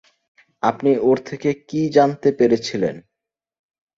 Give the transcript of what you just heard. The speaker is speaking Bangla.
আপনি ওর থেকে কী জানতে পেরেছিলেন?